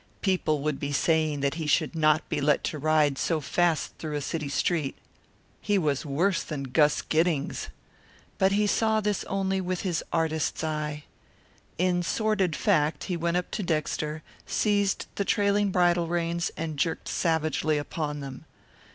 People would be saying that he should not be let to ride so fast through a city street. He was worse than Gus Giddings. But he saw this only with his artist's eye. In sordid fact he went up to Dexter, seized the trailing bridle reins and jerked savagely upon them.